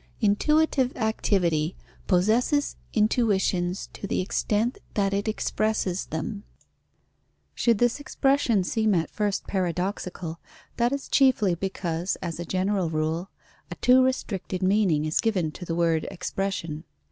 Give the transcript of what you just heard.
Intuitive activity possesses intuitions to the extent that it expresses them. Should this expression seem at first paradoxical, that is chiefly because, as a general rule, a too restricted meaning is given to the word "expression."